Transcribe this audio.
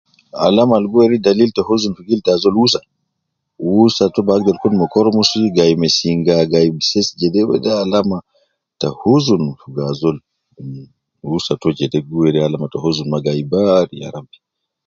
Alama al gi weri dalil ta huzun fi gil ta azol, wusa, wuusa to bi agder kun ma koromus, gai me singa, gai bises jede, wede alama ta huzun fogo azol, wusa to jede gi weri alama ta huzun ma gai baari ya rabbi